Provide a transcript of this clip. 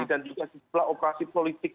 dan juga sebuah operasi politik